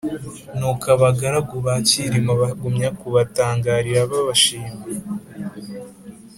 nuko uko abagaragu ba cyilima bagumya kubatangarira babashima,